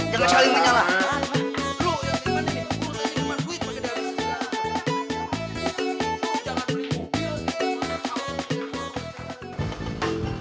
jangan saling kenyalah